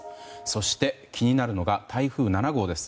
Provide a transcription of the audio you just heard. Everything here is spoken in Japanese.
そして、気になるのが台風７号です。